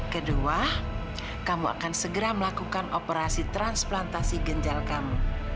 kedua kamu akan segera melakukan operasi transplantasi ginjal kamu